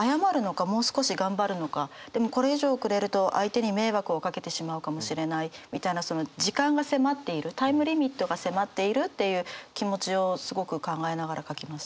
でもこれ以上遅れると相手に迷惑をかけてしまうかもしれないみたいなその時間が迫っているタイムリミットが迫っているっていう気持ちをすごく考えながら書きました。